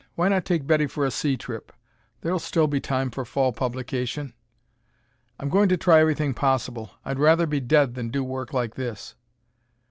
Why not take Betty for a sea trip? There'll still be time for fall publication." "I'm going to try everything possible. I'd rather be dead than do work like this!"